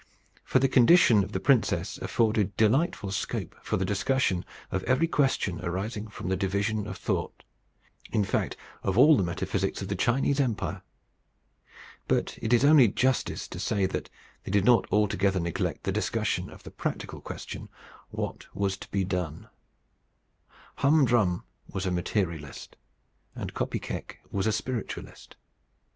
For the condition of the princess afforded delightful scope for the discussion of every question arising from the division of thought in fact, of all the Metaphysics of the Chinese Empire. But it is only justice to say that they did not altogether neglect the discussion of the practical question, what was to be done. Hum Drum was a Materialist, and Kopy Keck was a spiritualist.